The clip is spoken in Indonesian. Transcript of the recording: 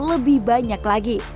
atau lebih banyak lagi